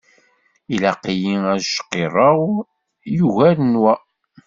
Ilaq-iyi acqirrew yugaren wa.